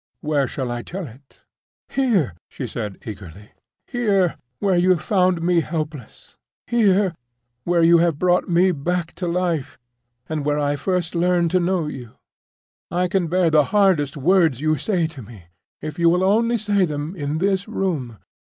"Where shall I tell it?" "Here!" she said eagerly. "Here, where you found me helpless—here, where you have brought me back to life, and where I have first learned to know you. I can bear the hardest words you say to me if you will only say them in this room.